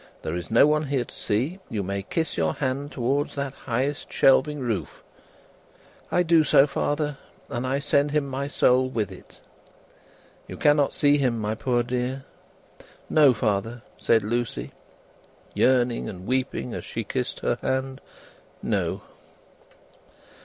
There is no one here to see. You may kiss your hand towards that highest shelving roof." "I do so, father, and I send him my Soul with it!" "You cannot see him, my poor dear?" "No, father," said Lucie, yearning and weeping as she kissed her hand, "no."